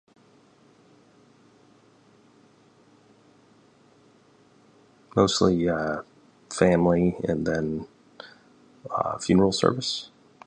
Mostly family and then funeral service.